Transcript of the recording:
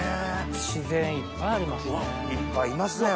自然いっぱいありますね。